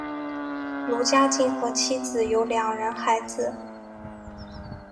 卢家进和妻子有两人孩子。